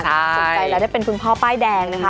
สนใจแล้วได้เป็นคุณพ่อป้ายแดงนะคะ